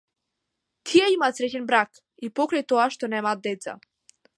Тие имаат среќен брак, и покрај тоа што немаат деца.